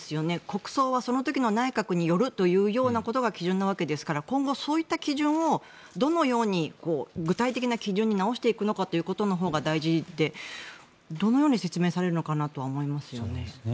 国葬はその時の内閣によるというようなことが基準なわけですから今後、そういった基準をどのように具体的な基準に直していくかのほうが大事で、どのように説明されるのかなとは思いますよね。